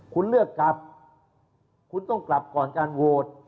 คุณเลือกกลับคุณต้องกลับก่อนการโหวต